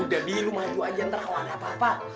udah bi lo maju aja ntar kalau ada apa apa